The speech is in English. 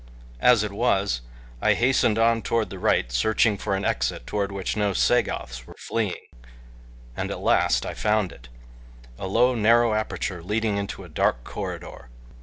As it was I hastened on toward the right searching for an exit toward which no Sagoths were fleeing, and at last I found it a low, narrow aperture leading into a dark corridor.